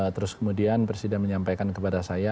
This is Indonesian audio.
terus kemudian presiden menyampaikan kepada saya